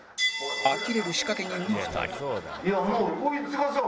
あきれる仕掛け人の２人